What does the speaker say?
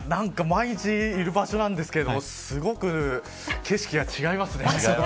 毎日いる場所なんですけれどもすごく景色が違いますね。